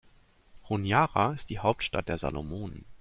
Honiara ist die Hauptstadt der Salomonen.